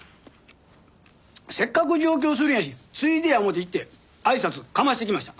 せっかく上京するんやしついでや思うて行ってあいさつかましてきました。